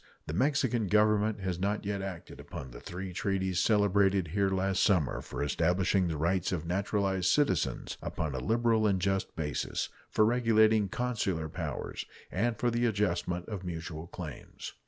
The Mexican Government has not yet acted upon the three treaties celebrated here last summer for establishing the rights of naturalized citizens upon a liberal and just basis, for regulating consular powers, and for the adjustment of mutual claims.